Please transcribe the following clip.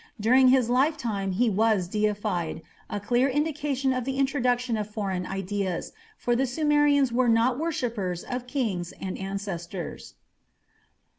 During his lifetime he was deified a clear indication of the introduction of foreign ideas, for the Sumerians were not worshippers of kings and ancestors.